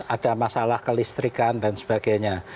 ada masalah kelistrikan dan sebagainya